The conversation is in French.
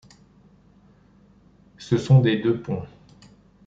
Ce sont des deux-ponts.